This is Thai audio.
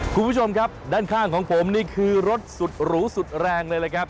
คุณผู้ชมครับด้านข้างของผมนี่คือรถสุดหรูสุดแรงเลยนะครับ